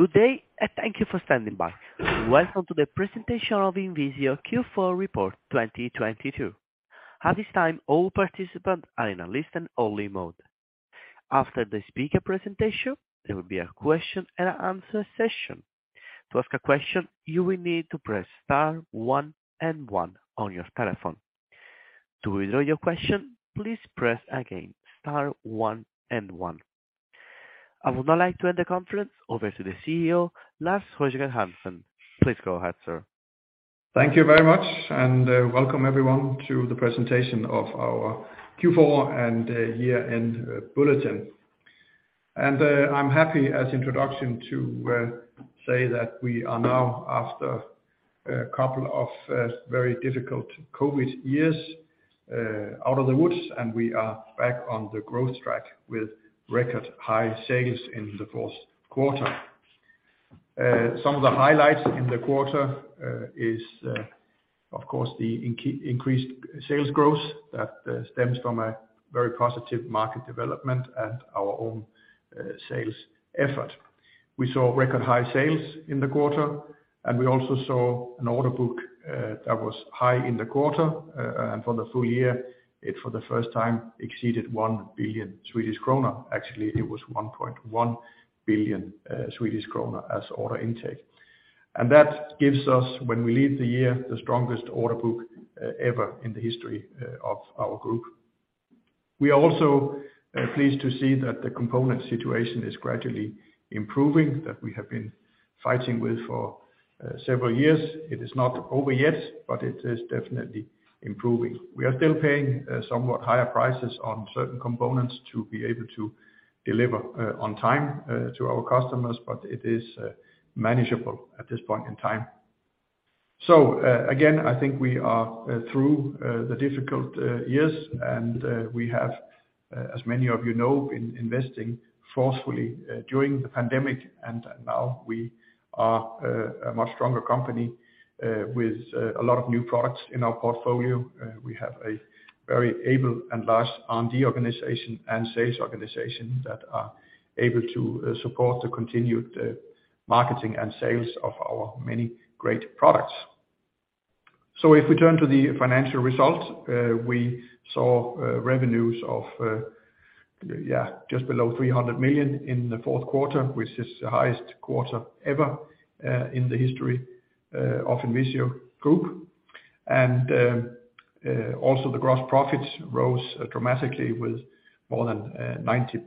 Good day. Thank you for standing by. Welcome to the presentation of INVISIO Q4 report 2022. At this time, all participants are in a listen-only mode. After the speaker presentation, there will be a question and answer session. To ask a question, you will need to press star one and one on your telephone. To withdraw your question, please press again star one and one. I would now like to hand the conference over to the CEO, Lars Højgård Hansen. Please go ahead, sir. Thank you very much, welcome everyone to the presentation of our Q4 and year-end bulletin. I'm happy as introduction to say that we are now after a couple of very difficult COVID years, out of the woods, and we are back on the growth track with record high sales in the fourth quarter. Some of the highlights in the quarter is of course the increased sales growth that stems from a very positive market development and our own sales effort. We saw record high sales in the quarter, and we also saw an order book that was high in the quarter. For the full year, it for the first time exceeded 1 billion Swedish kronor. Actually, it was 1.1 billion Swedish kronor as order intake. That gives us, when we leave the year, the strongest order book ever in the history of our Group. We are also pleased to see that the component situation is gradually improving, that we have been fighting with for several years. It is not over yet, but it is definitely improving. We are still paying somewhat higher prices on certain components to be able to deliver on time to our customers, but it is manageable at this point in time. Again, I think we are through the difficult years and we have, as many of you know, investing forcefully during the pandemic. Now we are a much stronger company with a lot of new products in our portfolio. We have a very able and large R&D organization and sales organization that are able to support the continued marketing and sales of our many great products. If we turn to the financial results, we saw revenues of just below 300 million in the fourth quarter, which is the highest quarter ever in the history of INVISIO Group. Also the gross profits rose dramatically with more than 90%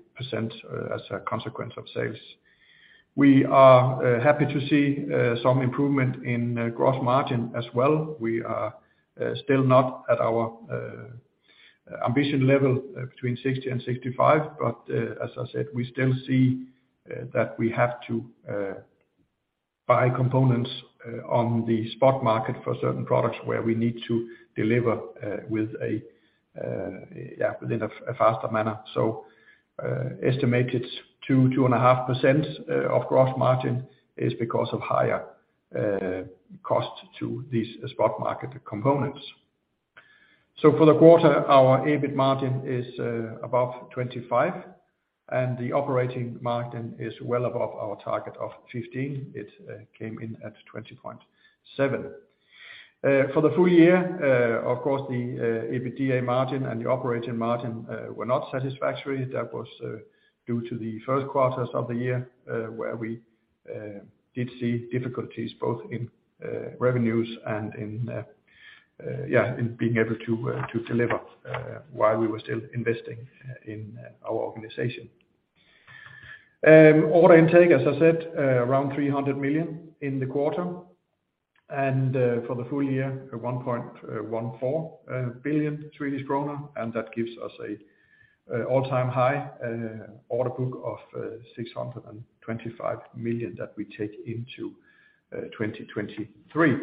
as a consequence of sales. We are happy to see some improvement in gross margin as well. We are still not at our ambition level between 60% and 65%. As I said, we still see that we have to buy components on the spot market for certain products where we need to deliver with a faster manner. Estimated 2%-2.5% of gross margin is because of higher costs to these spot market components. For the quarter, our EBIT margin is above 25%, and the operating margin is well above our target of 15%. It came in at 20.7%. For the full year, of course, the EBITDA margin and the operating margin were not satisfactory. That was due to the first quarters of the year, where we did see difficulties both in revenues and in being able to deliver, while we were still investing in our organization. Order intake, as I said, around 300 million in the quarter. For the full year, 1.14 billion Swedish kronor, and that gives us a all-time high order book of 625 million that we take into 2023.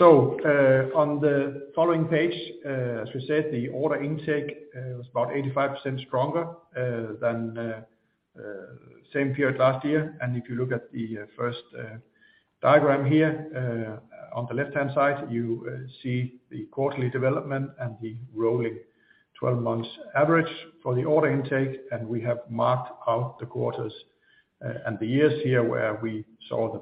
On the following page, as we said, the order intake was about 85% stronger than the same period last year. If you look at the first diagram here, on the left-hand side, you see the quarterly development and the rolling 12 months average for the order intake. We have marked out the quarters and the years here, where we saw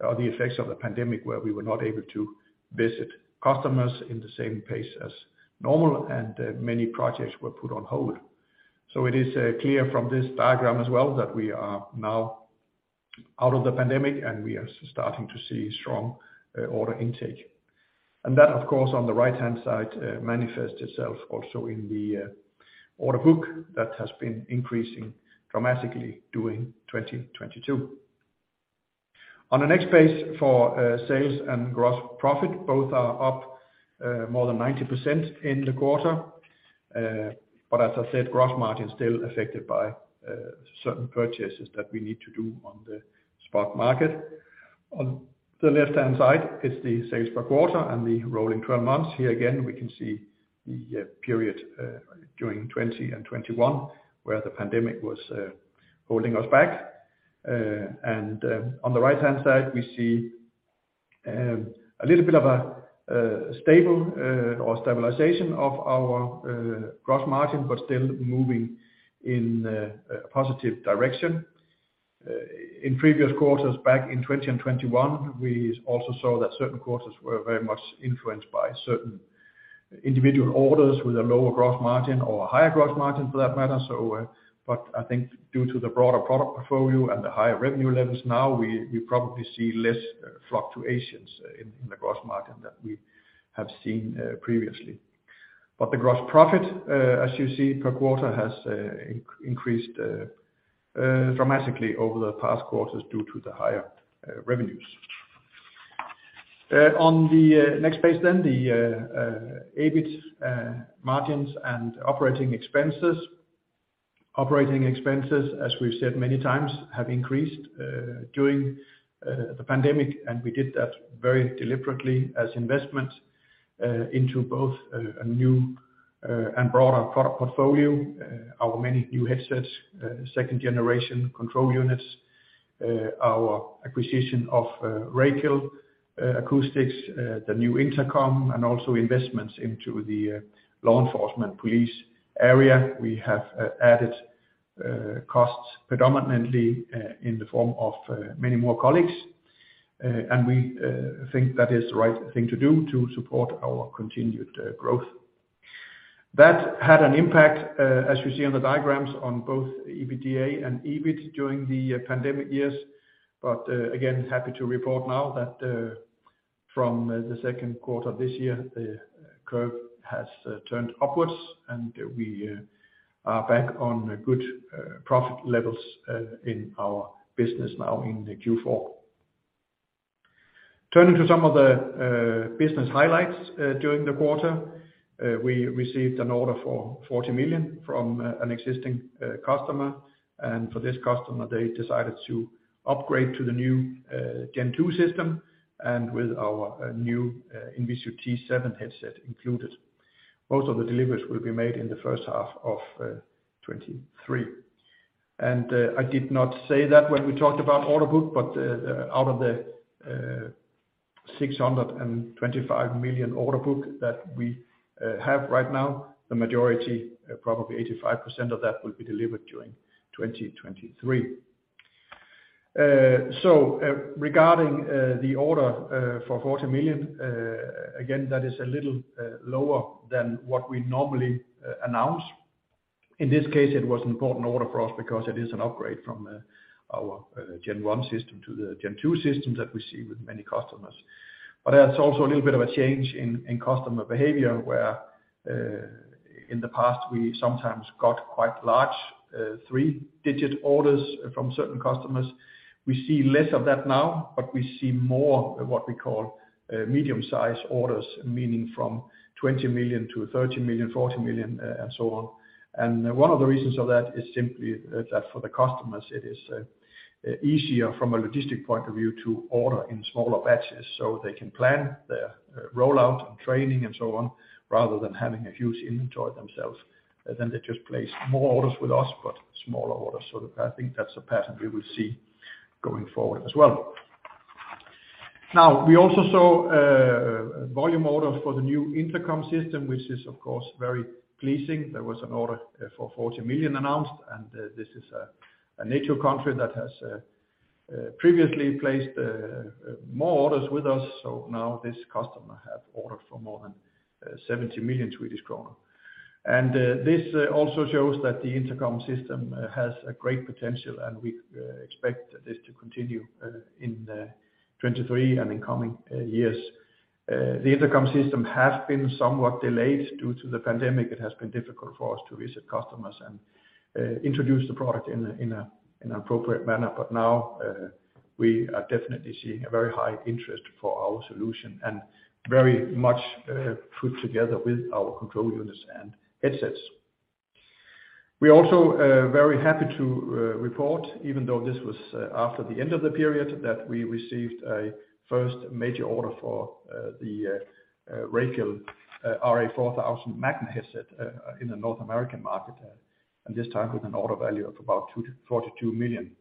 the effects of the pandemic, where we were not able to visit customers in the same pace as normal, and many projects were put on hold. It is clear from this diagram as well that we are now out of the pandemic, and we are starting to see strong order intake. That, of course, on the right-hand side, manifests itself also in the order book that has been increasing dramatically during 2022. On the next page, for sales and gross profit, both are up more than 90% in the quarter. As I said, gross margin is still affected by certain purchases that we need to do on the spot market. On the left-hand side is the sales per quarter and the rolling 12 months. Here again, we can see the period during 2020 and 2021, where the pandemic was holding us back. On the right-hand side, we see a little bit of a stable or stabilization of our gross margin, but still moving in a positive direction. In previous quarters back in 2020 and 2021, we also saw that certain quarters were very much influenced by certain individual orders with a lower gross margin or a higher gross margin for that matter. I think due to the broader product portfolio and the higher revenue levels now, we probably see less fluctuations in the gross margin than we have seen previously. The gross profit, as you see per quarter has increased dramatically over the past quarters due to the higher revenues. On the next page the EBIT margins and operating expenses. Operating expenses, as we've said many times, have increased during the pandemic, and we did that very deliberately as investment into both a new and broader product portfolio, our many new headsets, second generation control units, our acquisition of Racal Acoustics, the new intercom, and also investments into the law enforcement police area. We have added costs predominantly in the form of many more colleagues. We think that is the right thing to do to support our continued growth. That had an impact, as you see on the diagrams on both EBITDA and EBIT during the pandemic years. Again, happy to report now that from the second quarter this year, the curve has turned upwards and we are back on good profit levels in our business now in the Q4. Turning to some of the business highlights during the quarter, we received an order for 40 million from an existing customer. For this customer, they decided to upgrade to the new Gen II system and with our new INVISIO T7 headset included. Most of the deliveries will be made in the first half of 2023. I did not say that when we talked about order book, out of the 625 million order book that we have right now, the majority, probably 85% of that will be delivered during 2023. Regarding the order for 40 million, again, that is a little lower than what we normally announce. In this case, it was an important order for us because it is an upgrade from our Gen I system to the Gen II system that we see with many customers. There's also a little bit of a change in customer behavior where in the past we sometimes got quite large, three-digit orders from certain customers. We see less of that now, but we see more what we call, medium size orders, meaning from 20 million-30 million, 40 million, and so on. One of the reasons of that is simply that for the customers it is easier from a logistic point of view to order in smaller batches so they can plan their rollout and training and so on, rather than having a huge inventory themselves. They just place more orders with us, but smaller orders. I think that's a pattern we will see going forward as well. Now, we also saw volume orders for the new INVISIO Intercom system, which is of course very pleasing. There was an order for 40 million announced, and this is a NATO country that has previously placed more orders with us. This customer have ordered for more than 70 million Swedish kronor. This also shows that the intercom system has a great potential, and we expect this to continue in 2023 and in coming years. The intercom system has been somewhat delayed due to the pandemic. It has been difficult for us to visit customers and introduce the product in an appropriate manner. Now we are definitely seeing a very high interest for our solution and very much put together with our control units and headsets. We also are very happy to report, even though this was after the end of the period, that we received a first major order for the Racal RA4000 Magna headset in the North American market, and this time with an order value of about SEK 2-42 million.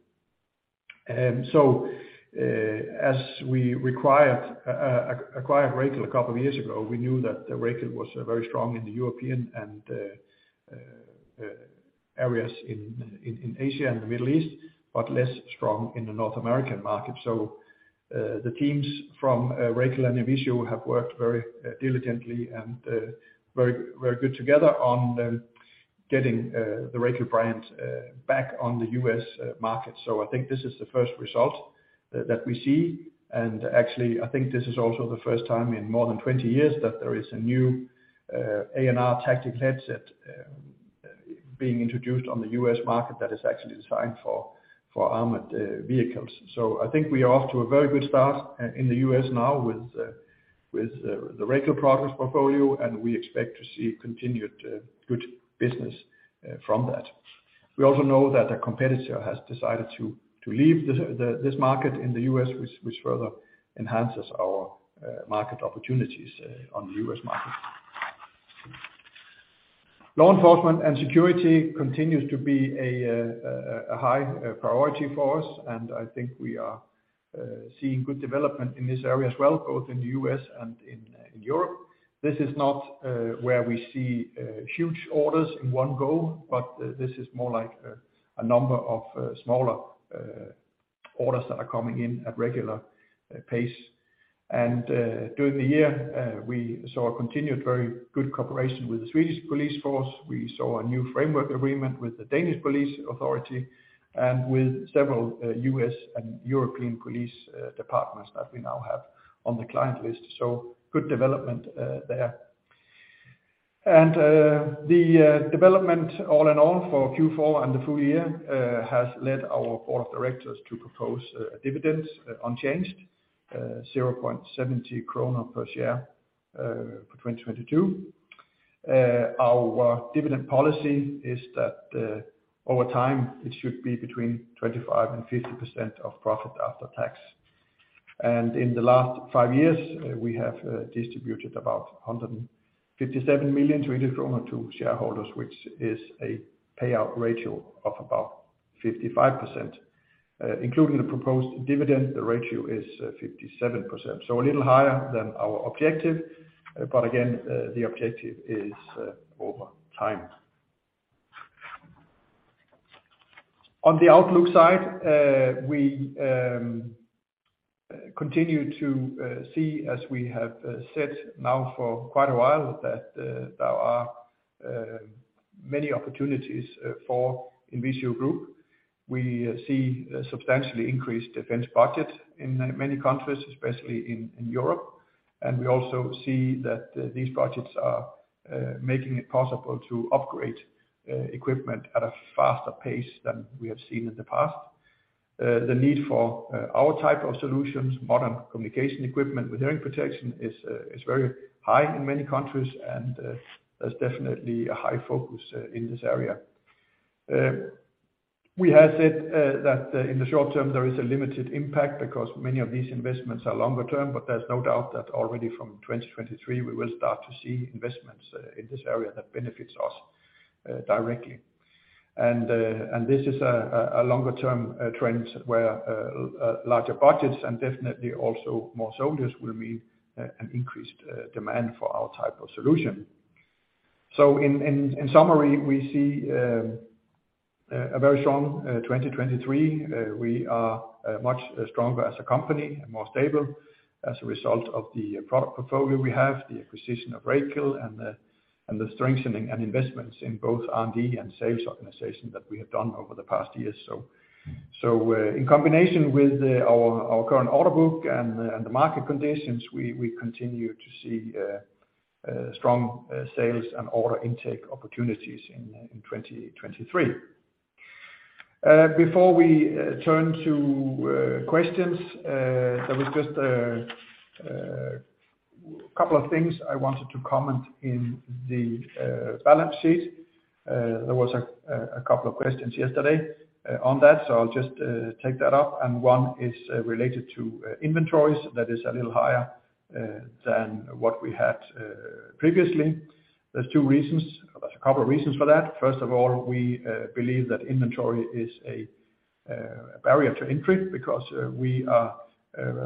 As we acquired Racal a couple of years ago, we knew that Racal was very strong in the European and areas in Asia and the Middle East, but less strong in the North American market. The teams from Racal and INVISIO have worked very diligently and very good together on getting the Racal brand back on the U.S. market. I think this is the first result that we see, and actually I think this is also the first time in more than 20 years that there is a new ANR tactical headset being introduced on the U.S. market that is actually designed for armored vehicles. I think we are off to a very good start in the U.S. now with the Racal Acoustics products portfolio, and we expect to see continued good business from that. We also know that a competitor has decided to leave this market in the U.S., which further enhances our market opportunities on the U.S. market. Law enforcement and security continues to be a high priority for us, and I think we are seeing good development in this area as well, both in the U.S. and in Europe. This is not where we see huge orders in one go, but this is more like a number of smaller orders that are coming in at regular pace. During the year, we saw a continued very good cooperation with the Swedish police force. We saw a new framework agreement with the Danish police authority and with several U.S. and European police departments that we now have on the client list. Good development there. The development all in all for Q4 and the full year has led our board of directors to propose a dividend unchanged, 0.70 kronor per share for 2022. Our dividend policy is that over time, it should be between 25% and 50% of profit after tax. In the last five years, we have distributed about 157 million Swedish kronor to shareholders, which is a payout ratio of about 55%. Including the proposed dividend, the ratio is 57%, so a little higher than our objective, but again, the objective is over time. On the outlook side, we continue to see as we have said now for quite a while that there are many opportunities for INVISIO Group. We see a substantially increased defense budget in many countries, especially in Europe. We also see that these budgets are making it possible to upgrade equipment at a faster pace than we have seen in the past. The need for our type of solutions, modern communication equipment with hearing protection is very high in many countries, and there's definitely a high focus in this area. We have said that in the short term there is a limited impact because many of these investments are longer term, but there's no doubt that already from 2023, we will start to see investments in this area that benefits us directly. This is a longer term trend where larger budgets and definitely also more soldiers will mean an increased demand for our type of solution. In summary, we see a very strong 2023. We are much stronger as a company and more stable as a result of the product portfolio we have, the acquisition of Racal Acoustics and the strengthening and investments in both R&D and sales organization that we have done over the past years. In combination with our current order book and the market conditions, we continue to see strong sales and order intake opportunities in 2023. Before we turn to questions, there was just couple of things I wanted to comment in the balance sheet. There was a couple of questions yesterday on that, so I'll just take that up. One is related to inventories that is a little higher than what we had previously. There's two reasons. There's a couple of reasons for that. First of all, we believe that inventory is a barrier to entry because we are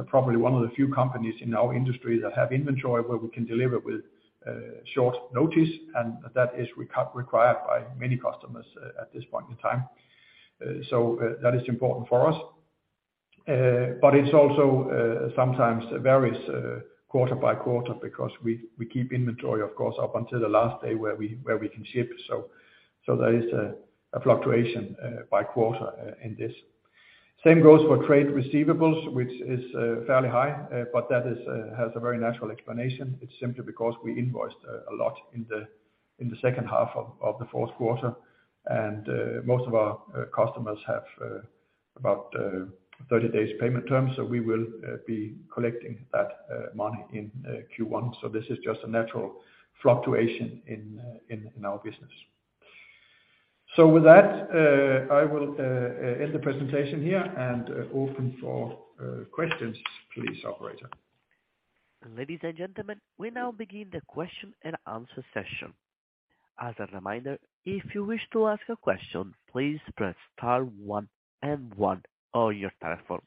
probably one of the few companies in our industry that have inventory where we can deliver with short notice, and that is required by many customers at this point in time. That is important for us. It's also sometimes varies quarter by quarter because we keep inventory, of course, up until the last day where we can ship. There is a fluctuation by quarter in this. Same goes for trade receivables, which is fairly high, but that is has a very natural explanation. It's simply because we invoiced a lot in the second half of the fourth quarter. Most of our customers have about 30 days payment terms, so we will be collecting that money in Q1. This is just a natural fluctuation in our business. With that, I will end the presentation here and open for questions please, operator. Ladies and gentlemen, we now begin the question and answer session. As a reminder, if you wish to ask a question, please press star one and one on your telephone.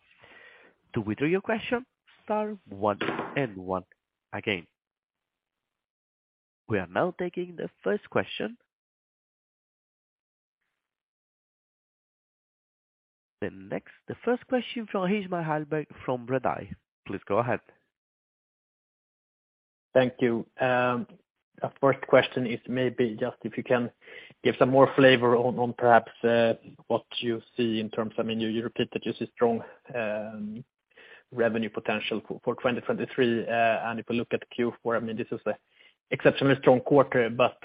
To withdraw your question, star one and one again. We are now taking the first question. The first question from Hjalmar Ahlberg from Redeye. Please go ahead. Thank you. The first question is maybe just if you can give some more flavor on perhaps, what you see in terms, I mean, you repeat that you see strong revenue potential for 2023. If you look at Q4, I mean, this is a exceptionally strong quarter, but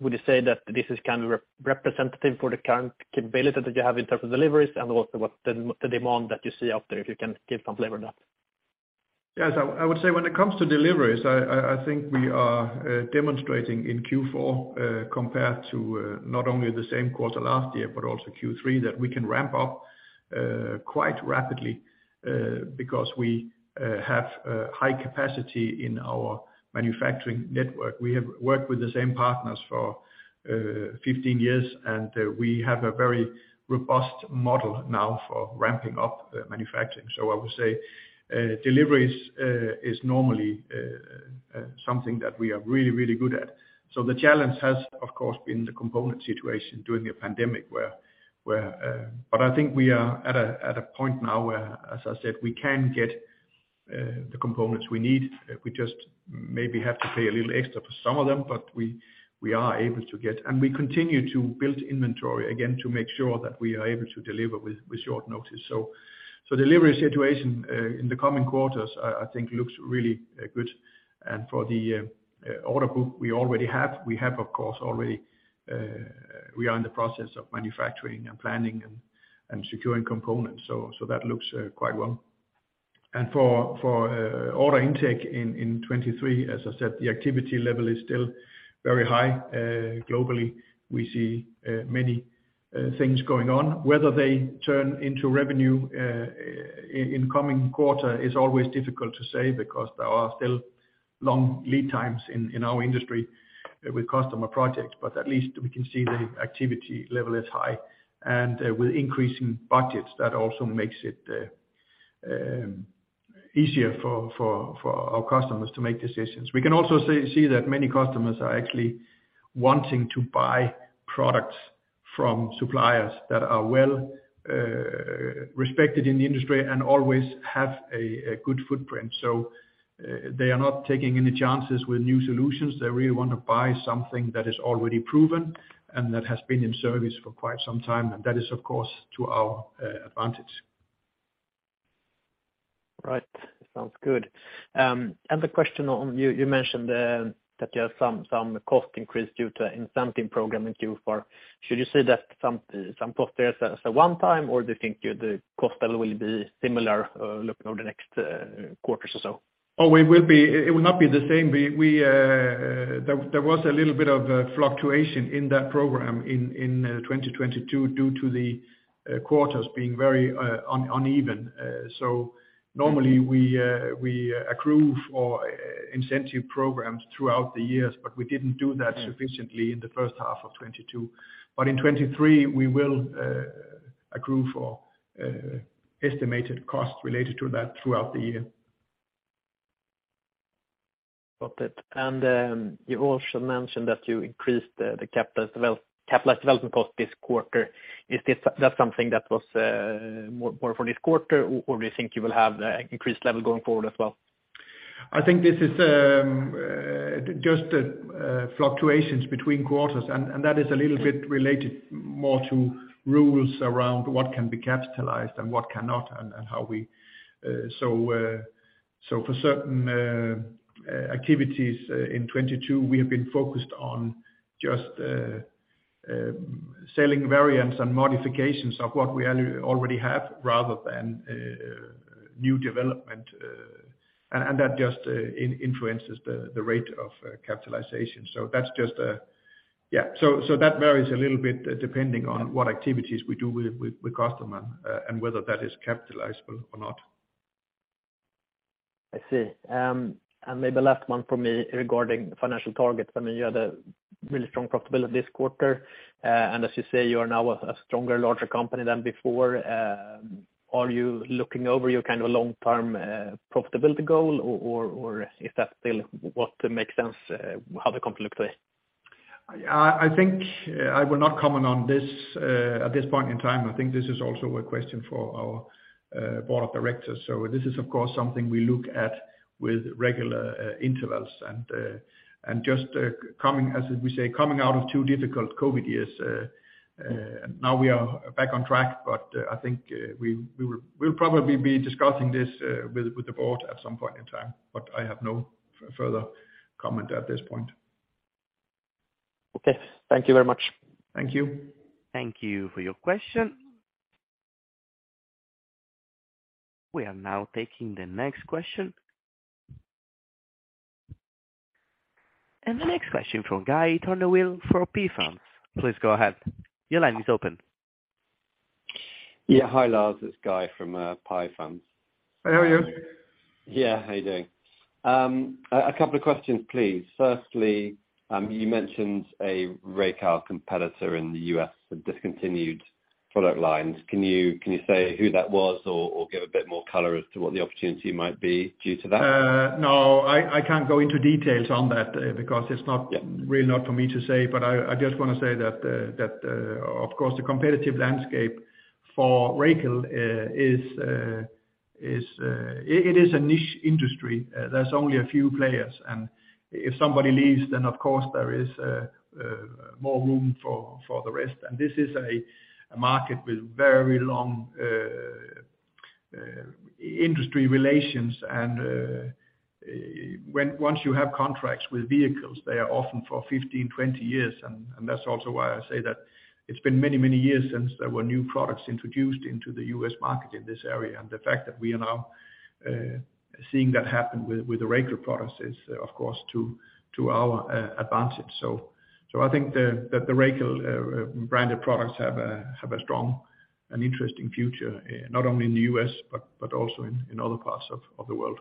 would you say that this is kind of re-representative for the current capability that you have in terms of deliveries? And also what the demand that you see out there, if you can give some flavor on that? Yes, I would say when it comes to deliveries, I think we are demonstrating in Q4, compared to not only the same quarter last year but also Q3, that we can ramp up quite rapidly because we have high capacity in our manufacturing network. We have worked with the same partners for 15 years. We have a very robust model now for ramping up manufacturing. I would say deliveries is normally something that we are really good at. The challenge has, of course, been the component situation during a pandemic where I think we are at a point now where, as I said, we can get the components we need. We just maybe have to pay a little extra for some of them, but we are able to get, we continue to build inventory again to make sure that we are able to deliver with short notice. Delivery situation in the coming quarters I think looks really good. For the order book we already have, we have of course already, we are in the process of manufacturing and planning and securing components. That looks quite well. For order intake in 2023, as I said, the activity level is still very high globally. We see many things going on. Whether they turn into revenue in coming quarter is always difficult to say because there are still long lead times in our industry with customer projects. At least we can see the activity level is high, and with increasing budgets, that also makes it easier for our customers to make decisions. We can also see that many customers are actually wanting to buy products from suppliers that are well respected in the industry and always have a good footprint. They are not taking any chances with new solutions. They really want to buy something that is already proven and that has been in service for quite some time, and that is, of course, to our advantage. Right. Sounds good. The question on you mentioned, that there are some cost increase due to incentive program in Q4. Should you say that some cost there as a one time, or do you think the cost will be similar, looking over the next quarters or so? It will not be the same. We there was a little bit of a fluctuation in that program in 2022 due to the quarters being very uneven. Normally we accrue for incentive programs throughout the years, but we didn't do that sufficiently in the first half of 2022. In 2023 we will accrue for estimated costs related to that throughout the year. Got it. You also mentioned that you increased the capitalized development cost this quarter. Is this, that something that was more for this quarter, or do you think you will have a increased level going forward as well? I think this is, just fluctuations between quarters, that is a little bit related more to rules around what can be capitalized and what cannot, and how we. For certain activities in 2022, we have been focused on just selling variants and modifications of what we already have rather than new development. That just influences the rate of capitalization. That's just yeah. That varies a little bit depending on what activities we do with customer, and whether that is capitalizable or not. I see. Maybe last one from me regarding financial targets. I mean, you had a really strong profitability this quarter, and as you say, you are now a stronger, larger company than before. Are you looking over your kind of long-term profitability goal or is that still what makes sense, how the company look today? I think I will not comment on this at this point in time. I think this is also a question for our board of directors. This is of course, something we look at with regular intervals and just coming, as we say, coming out of two difficult COVID years, now we are back on track. I think we will, we'll probably be discussing this with the board at some point in time, but I have no further comment at this point. Okay. Thank you very much. Thank you. Thank you for your question. We are now taking the next question. The next question from Tom Guinchard for Pareto Securities. Please go ahead. Your line is open. Yeah. Hi, Lars. It's Guinchard from Pareto Securities. Hi, how are you? Yeah. How are you doing? A couple of questions, please. Firstly, you mentioned a Racal competitor in the U.S. had discontinued product lines. Can you say who that was or give a bit more color as to what the opportunity might be due to that? No, I can't go into details on that because it's not. Yeah. Really not for me to say. I just wanna say that, of course, the competitive landscape for Racal is a niche industry. There's only a few players, and if somebody leaves, then of course there is more room for the rest. This is a market with very long industry relations, and once you have contracts with vehicles, they are often for 15-20 years. That's also why I say that it's been many, many years since there were new products introduced into the U.S. market in this area. The fact that we are now seeing that happen with the Racal products is of course to our advantage. I think that the Racal branded products have a strong and interesting future, not only in the US, but also in other parts of the world.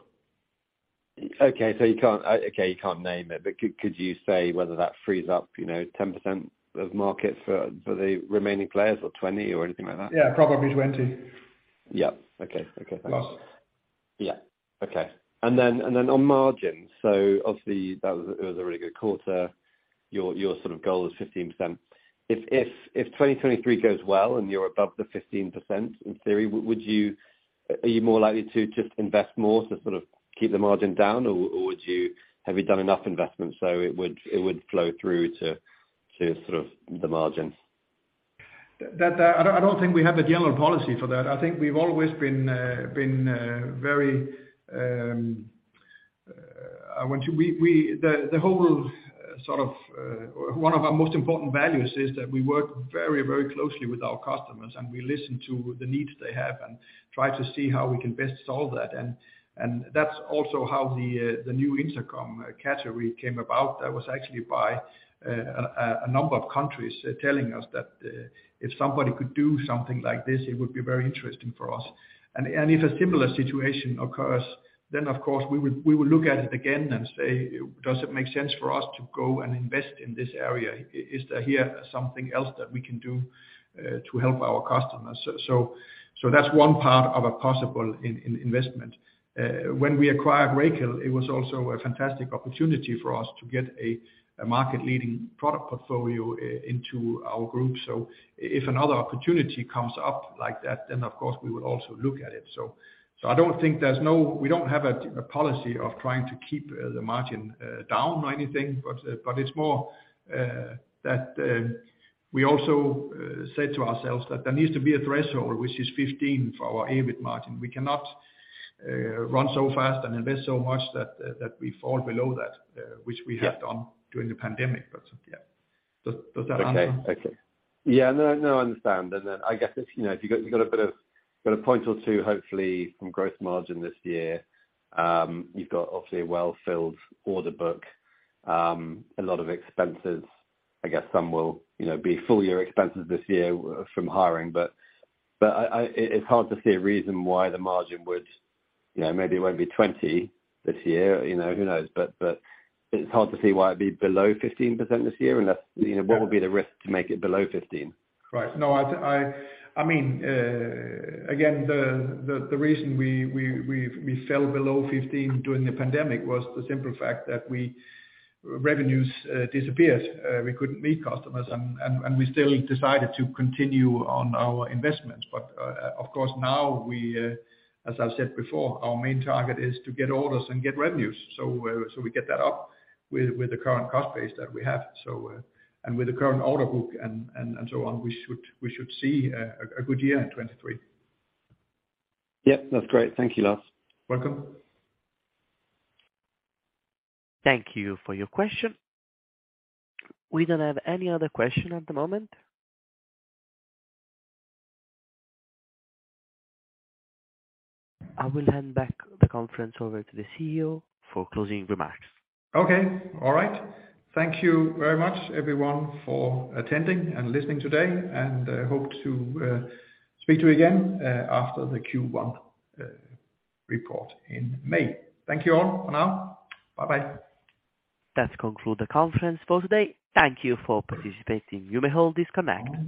Okay. You can't name it, but could you say whether that frees up, you know, 10% of market for the remaining players or 20% or anything like that? Yeah, probably 20. Yeah. Okay. Okay. Thanks. Plus. Yeah. Okay. On margins, obviously that was, it was a really good quarter. Your sort of goal is 15%. If 2023 goes well and you're above the 15% in theory, are you more likely to just invest more to sort of keep the margin down or have you done enough investments, so it would flow through to sort of the margins? That I don't think we have a general policy for that. I think we've always been very. One of our most important values is that we work very, very closely with our customers, and we listen to the needs they have and try to see how we can best solve that. That's also how the new intercom category came about. That was actually by a number of countries telling us that if somebody could do something like this, it would be very interesting for us. If a similar situation occurs, then of course we would look at it again and say, "Does it make sense for us to go and invest in this area? Is there here something else that we can do to help our customers? That's one part of a possible investment. When we acquired Racal Acoustics, it was also a fantastic opportunity for us to get a market leading product portfolio into our group. If another opportunity comes up like that, then of course we would also look at it. I don't think there's no. We don't have a policy of trying to keep the margin down or anything, but it's more that we also said to ourselves that there needs to be a threshold which is 15 for our EBIT margin. We cannot run so fast and invest so much that we fall below that, which we have done during the pandemic. Yeah. Does that answer? Okay. Okay. Yeah. No, no, I understand. I guess it's, you know, if you got, you got a bit of, got 1 or 2 percentage points, hopefully from gross margin this year, you've got obviously a well-filled order book, a lot of expenses. I guess some will, you know, be full year expenses this year from hiring. It's hard to see a reason why the margin would, you know, maybe it won't be 20% this year, you know, who knows? It's hard to see why it'd be below 15% this year, unless, you know, what would be the risk to make it below 15%? Right. No, I mean, again, the reason we fell below 15 during the pandemic was the simple fact that we. Revenues disappeared. We couldn't meet customers and we still decided to continue on our investments. Of course, now we, as I've said before, our main target is to get orders and get revenues. We get that up with the current cost base that we have. With the current order book and so on, we should see a good year in 2023. Yep. That's great. Thank you, Lars. Welcome. Thank you for your question. We don't have any other question at the moment. I will hand back the conference over to the CEO for closing remarks. Okay. All right. Thank you very much everyone for attending and listening today. Hope to speak to you again after the Q1 report in May. Thank you all for now. Bye-bye. That conclude the conference for today. Thank you for participating. You may all disconnect.